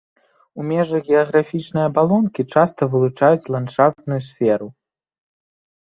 У межах геаграфічнай абалонкі часта вылучаюць ландшафтную сферу.